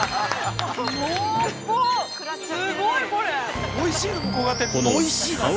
◆おいしい！